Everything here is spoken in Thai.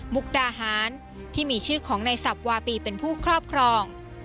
มุกดาหารที่มีชื่อของในสับวาปีเป็นผู้ครอบครอง